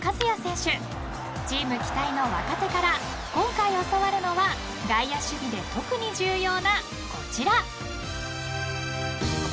［チーム期待の若手から今回教わるのは外野守備で特に重要なこちら］